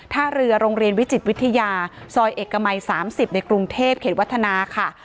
ท่าเรือโรงเรียนวิจิตวิทยาซอยเอกมัย๓๐ในกรุงเทพเขตวัฒนาค่ะ